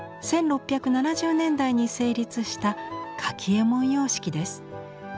１６７０年代に成立した柿右衛門様式です。